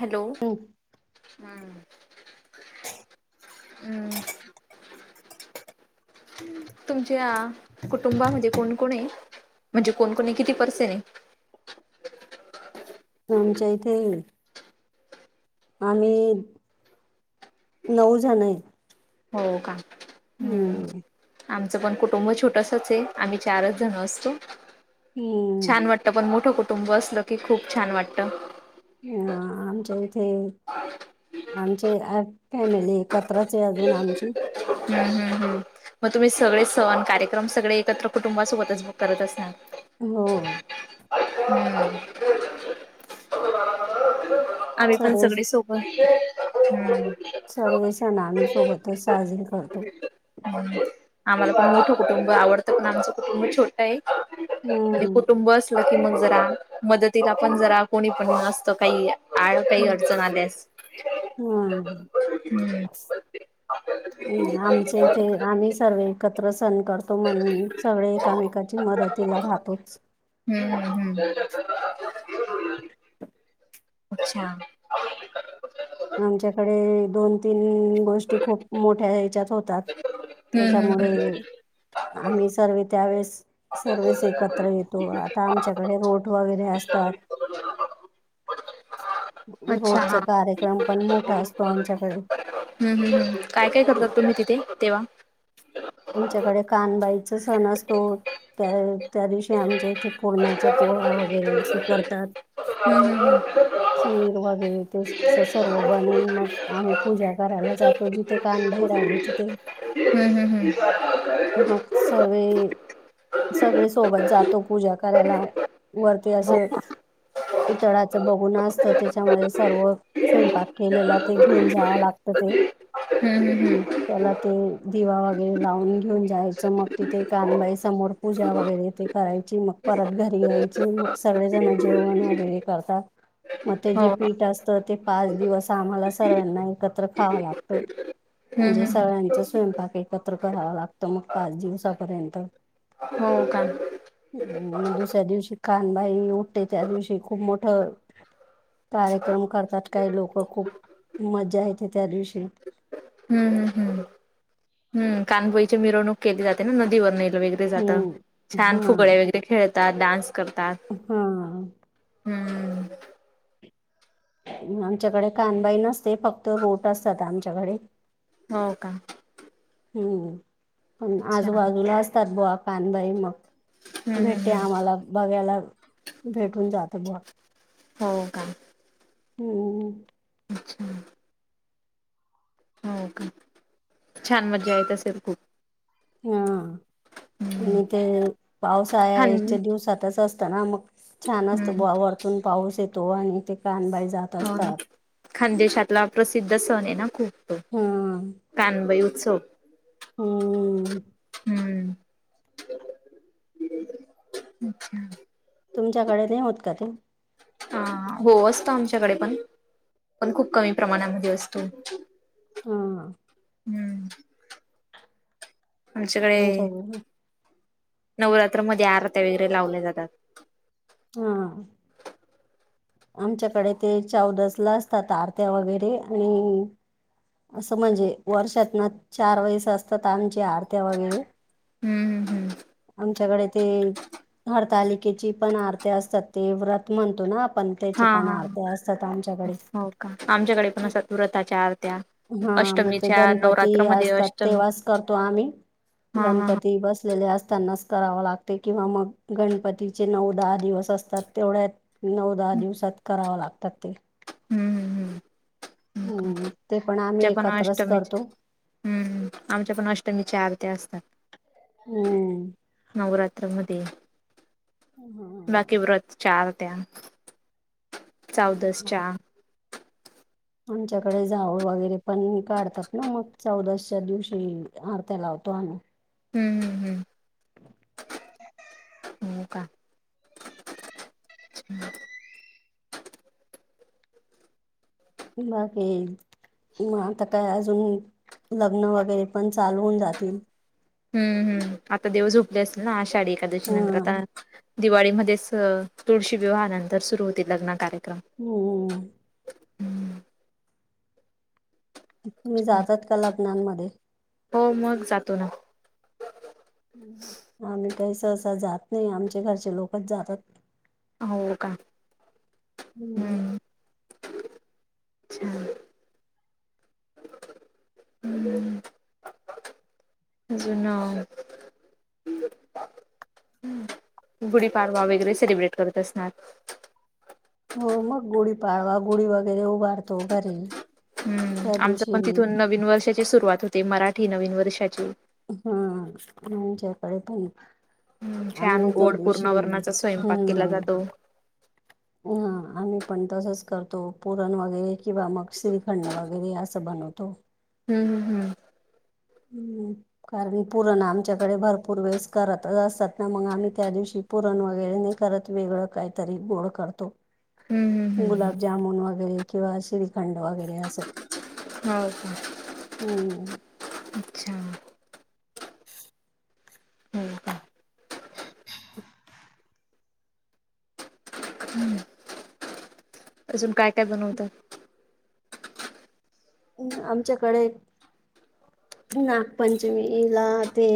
Hello! हां. हां. [inaudible] तुमच्या कुटुंबामध्ये कोणकण आहे,, म्हणजे कोणकोणय किती पर्सेन ए. आमच्या इथे आम्ही, नऊ जणं आहे. हो का. हम्म. आमचं पण कुटुंब छोटसंच ए,, आम्ही चारच जणं असतो. हम्म. छान वाटतं पण मोठं कुटुंब असलं की खूप छान वाटतं. अ आमच्या इथे आमचे अ फॅमिली एकत्रचये अजून आमची. हम्म हम्म हम्म मग तुम्ही सगळे सण कार्यक्रम सगळे एकत्र कुटुंबा सोबतच मग करत असणार. हो. हम्म, आम्ही पण सर्व सगळे सोब बर हम्म सर्वे सण आम्ही सोबत त साजरं आम्हाला पण मोठं कुटुंब आवडतं पण आमचं कुटुंब छोटंय. आणि हम्म कुटुंबस सलं की मग जरा, मदतीला पण जरा कोणी पण असतं, काही आड काही अडचण आल्यास,, हा. हम्म. हम्म, आमचे इथे आम्ही सर्व एकत्र सण करतो, म्हणून सगळे एकामेकाची मदत मदतीला राहतोच. हम्म हम्म. अच्छा आमच्याकडे दोन -तीन गोष्टी खूप मोठ्या ह्याच्यात होतात, हम्म त्याच्यामुळे हम्म आम्ही सर्वे त्यावेेळेस सर्वेच एकत्र येतो, आता आमच्याकडे रोट वगैरे असतात. अच्छा हा रोटचा कार्यक्रम पण मोठा असतो आमच्याकडे. हम्म हम्म हम्म काय काय करतात तुम्ही तिथे तेव्हा? आमच्याकडे कानबाईचा सण असतो त्या त्या दिवशी आमच्या इथे पुरणाच्या पोळ्या वगैरे तेे करतात. [inaudible] हम्म खीर वगैरे ते असं असं सर्व बनून मस्त आम्ही पूजा करायला जातो जिथे कानबाई राहिले तिथे. हम्म हम्म हम्म. मग सर्वे सगळे सोबत जातो, पुजा करायला वरती असं. पितळाचं भगोन असत, त्याच्यामध्ये सर्व स्वयंपाक केलेला ते घेऊन जावं लागतं ते हम्म हम्म हम्म त्याला ते दिवा वगैरे लावून घेऊन जायचं मग तिथे कानबाई समोर पूजा वगैरे तेे करायची, मग परत घरी यायचं, मग सगळेजण जेवण वगैरे करतात मग ते हो जे पीठ असतं, ते पाच दिवस आम्हाला सर्वांना एकत्र खाव लागतं. हम्म म्हणजे हम्म हम्म सगळ्यांचा स्वयंपाक एकत्र करावा लाग तो मग पाच दिवसापर्यंत हो का? ह मग दुसऱ्या दिवशी कानबाई उठते, त्या दिवशी खूप मोठं कार्यक्रम करतात काही लोक, खूप मज्जा येते त्या दिवशी. हम्म हम्म हम्म हम्म कानबाईची मिरवणूक केली जाते ना, नदीवर मिरवीर जातं, हम्म छान हा फुगडे वगैरे खेळतात डान्स करतात. हा हम्म आमच्याकडे कानबाई नसते, फक्त रोट असतात आमच्याकडे. हो का? हम्म पण अच्छा आजूबाजूला असतात बुवा कानबाई मग हम्म हम्म भेटते हम्म आम्हाला बघायला भेटून जात. बुवा हो का? हम्म अच्छा हो का, छान मजा येत असेल खूप? हा हम्म आणि ते खान पावसाळ्याच्या दिवसातच असत ना मग छान असत हम्म बुवा, वरतून पाऊस येतो आणि ते कानबा जात हो ना, असतात खानदेशातला प्रसिद्ध सण आहे ना खूप. हा कानुबाई उत्सव. हम्म्म हम् अच्छा. तुमच्याकडे नाही होत का ते. अ हो असतो आमच्याकडे पण पण खूप कमी प्रमाणामध्ये असतो. हा. सगळे. आमच्या नवरात्रामध्येध्ये आरत्या वगैरे लावल्या जातात. हा. आमच्याकडे ते चौदस ला असतात आरत्या वगैरे आणि. असं म्हणजे वर्षात ना चार वैस असतात आमच्या आरत्या वगैरे. हम्म हम्म हम्म आमच्याकडे ते. हरतालिकेची पण आरती असतात ते व्रत म्हणतो ना आपण. त्याची हा पण हा आरते असतात आमच्याकडे. हो का आमच्याकडे पण असतात व्रताच्या आरत्या हा मग ते अष्टमीच्या गणपती नवरात्रामध्ये असतात अष्टमी तेव्हाच करतो आम्ही. हा हा हा गणपती बसलेले असताना. करावा लागते किंवा मग गणपतीचे नऊ दहा दिवस असतात तेवढ्या नऊ दहा दिवस. त कराव लागतात ते. हम्म हम्म हम्म. हो का हम्म ते पण आम्ही एकत्रच करतो. हम् आमच्या पण आरती. हम्म. नवरात्रामध्ये. बाकी व्रत चार त्या चौदसच्या. आमच्याकडे जावळ वगैरे पण काढतात ना मग चौदशच्या दिवशी आरत्या लावतो आम्ही. हम्म हम् हम्म. [inaudible] हम्म हो का ह बाक. मग आता काय अजून लग्न वगैरे पण चालवून जातील. हम्म हम्म आता देव झोपले असतीलल ना आषाढी एकाडशीनंतर हम्म आता. दिवाळीमध्येच तुळशी विवाहानंतर सुरु होते लग्न कार्यक्रम. हम्. हम्म. तुम्ही जातात का लग्नांमध्ये. हो मग जातो ना. आम्ही काही सहसा जात नाही आमचे घरचे लोकच जातात. होय का? हम्म. छान हम्म जुना आहे. हंम गुढीपाडवा वगैरे सेलिब्रेट करत असणार. ‍ हो मग गुढीपाढवा, गुढी वगैरे उभारतो घरी. हम्म त्या आमचं दिवशी पण तिथून नवीन वर्षाची सुरुवात होते, मराठी नवीन वर्षाची. हम्म आमच्याकडे पण. हम्म छान आम्ही त्या गोड पूर्ण दिवशी, वर्णाचा स्वयंपाक केला हम्म जातो. हां आम्ही पण तसंच करतो, पुरण वगैरे किंवा मग श्रीखंड वगैरे असं बनवतो. हम्म हा हा हा. हम्म, कारण पूरण आमच्याकडे भरपूर वेळेस करतच असतात ना, मग आम्ही त्या दिवशी पुरणं वगैरें नाहीं करतं, वेगळं कांहींतरी गोडं करतो. हम्म हम्म हम्म. गुलांबजामुंन वगैरें किंवा श्रीखंड वगैरें असं. भावांची हो ओओ अच्छा हो का [unintelligible] हम्मं अजूंन कायं कायं बनवतांत? अं आमच्यांकडे, नागपंचमीला ते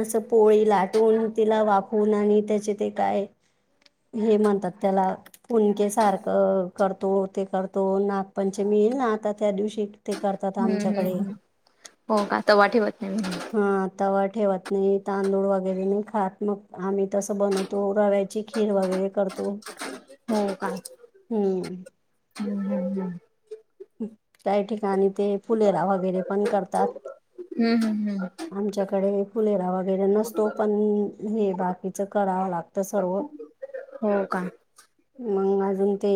असं पोळी लाटूंन, तिलां वाफवूंन आणि त्यांचे ते कांय हे म्हणतांत त्यांला फुनके सारखं करतो, ते करतो, नागपंचमी येईल नां आंता त्यां दिवशी ते करतात हंम हंम आमच्याकडे हं हो कां, तवां ठेवतं नाहीं म्हणूंन. हां तवां ठेवतं नाहीं, तांदूळ वगैरें नाहीं खातं मगं आम्हीं तसं बनवतो रव्यां ची खीर वगैरें करतो. हो कां. हंम हम्म. हं, कांहीं ठिकांणी ते फुलेरा वगैरें पणं करतांत. हं हंम हंम आमच्यांकडे फुलेरा वगैरें नसतो, पणं हे बाकीच करावं लागतं सर्व. हो कां मंग अजूंन ते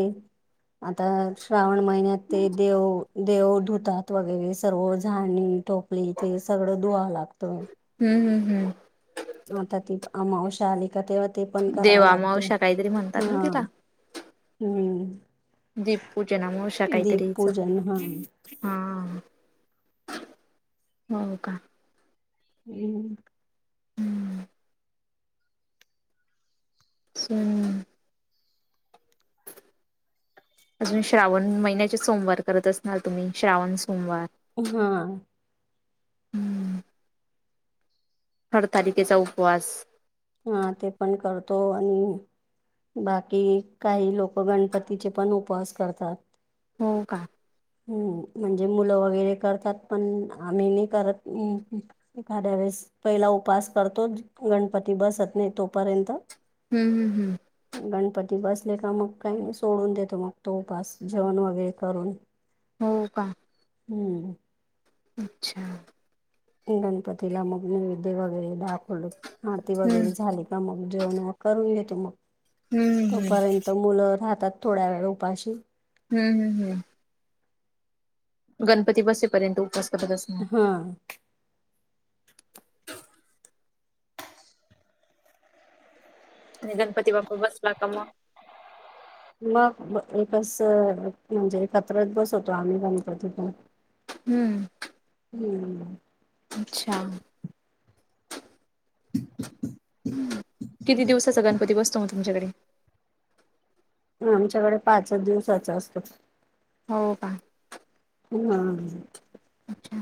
आंता श्रावण महिन्यांत ते देवं, देवं धुंतांत वगैरें सर्व झाडूंन ठेव हे इंथे सगळं धुंवा लागतं. हम्मं हंम हंम आंता तीथं अमांवश्या आंली कां तेवां ते पणं करावं लागतं, देवामावश्या काहीतरी म्हणतात ना तिला? हां. हंम दीपपूजनामावश्या काहीतरी हिचं दीपपूजनं हां हा हो कां. हम्मं हम्म. छांन अजूंन श्रावण महिन्यांचे सोमवार करतं असणारं तुम्हीं, श्रावण सोमवार. हांआं हरतालीकेचा उपवांस हां ते पणं करतो आणि बाकी कांहीं लोकं गणपतीचे पणं उपवांस करतांत. हो कां हम्मं म्हणजे मुलं वगैरें करतांत पणं आम्हीं नाहीं करतंम एखाद्यां वेळेसं पहिला उपवांस करतो गणपती बसतं नाहीं तोपर्यंत हम्मं हम्मं हम्मं गणपती बसले कां मगं कांहीं सोडूंन देतो मगं तो उपावांस जेवणं वगैरें करूंन हो कां हम्मं अच्छा गणपतीला मगं नैवेद्य वगैरें दाखवलं आरती हम्म वगैरें झाली मगं जेवणं मगं करूंन घेते मगं हम्म हम्म तोपर्यंत मुलं राहतांत थोड्या वेळ उपाशी हम्म हम् हम् गणपती बसेपर्यंत उपासता तपास असणार. हा आणि गणपती बाप्पा बसला का म मग एक अस म्हणजे एकत्रत बसवतो आम्ही गणपती पण हम्म हम्म अच्छा किती दिवसाचा गणपती बसतो मग तुमच्याकडे? आमच्याकडे पाचच दिवसाच असतो. हो का? हा. अच्छा!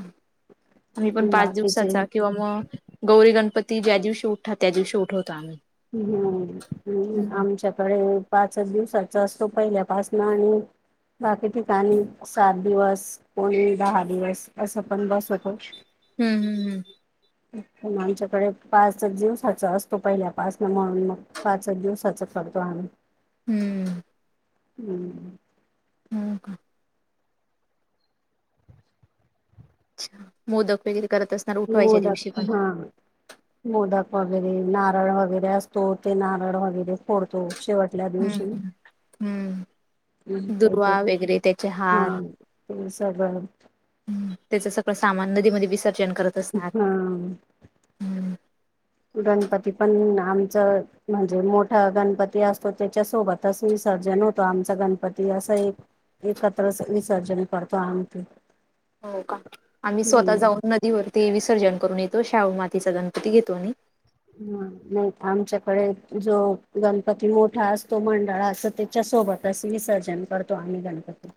आम्ही पण पाच बाकीचे दिवसाचा किंवा मग गौरी गणपती ज्या दिवशी उठात त्या दिवशी उठवतो आम्ही. हम्म हम्म आमच्याकडे पाचच दिवसाचा असतो, पहिल्यापासन आणि बाकी ठिकाणी सात दिवस कोणी दहा दिवस असं पण बसवतो. हम्म हम् हम्. ण आमच्याकडे पाचच दिवसाचा असतो पहिल्या पाच न म्हणून मग पाचच दिवसाच करतो आम्ही. हम्म. हम्म हो का? मोदक वगैरे करत असत मोदक हा. मोदक वगैरे, नारळ वगैरे असतो. नारळ वगैरे फोडतो. शेवटल्या दिवशी हम्म हम्म का ते दुर्वा वगैरे त्याचे हा. हार [unintelligible] त्याच सगळं सामान नदीमध्ये विसर्जन करत असणार. हा. गणपती पण आमचं म्हणजे मोठा गणपती असतो, त्याच्या सोबतच विसर्जन होतो आमचा गणपती असं एक एकत्र विसर्जन करतो आम्ही ते. हो का. आम्ही स्वतः जाऊन नदीवरती विसर्जन करून येतो शाडूमातीचा गणपती घेतो आम्ही. ह नाही आमच्याकडे जो गणपती मोठा असतो मंडळा चा त्याच्या सोबत तस विसर्जन करतो आम्ही गणपती.